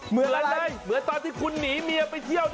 เหมือนตอนที่คุณหนีเมียไปเที่ยว